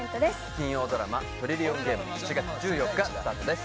金曜ドラマ「トリリオンゲーム」７月１４日スタートです